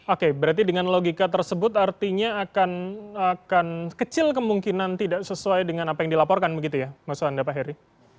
oke berarti dengan logika tersebut artinya akan kecil kemungkinan tidak sesuai dengan apa yang dilaporkan begitu ya maksud anda pak heri